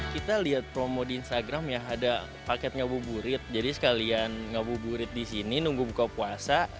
kita lihat promo di instagram ya ada paket nyabu burit jadi sekalian nyabu burit di sini nunggu buka puasa